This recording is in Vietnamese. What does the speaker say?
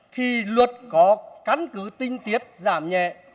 thì luật có cán cứ tinh tiết giảm nhẹ